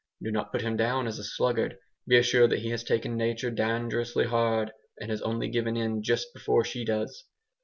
Do not put him down as a sluggard; be assured that he has tasked nature dangerously hard, and has only given in just before she does.